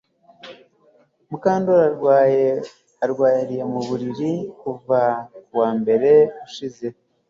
Mukandoli arwaye mu buriri kuva kuwa mbere ushize